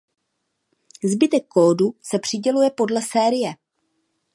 Zbytek kódu se přiděluje podle série.